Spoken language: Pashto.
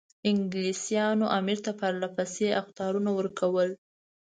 انګلیسانو امیر ته پرله پسې اخطارونه ورکول.